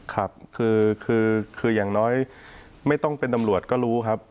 ครับคืออย่างน้อยไม่ต้องเป็นตำรวจก็รู้ครับ